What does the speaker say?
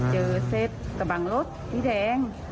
เจอเซฟตะบังรถที่แดง